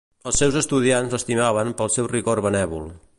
Els seus estudiants l'estimaven pel seu rigor benèvol.